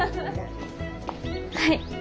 はい。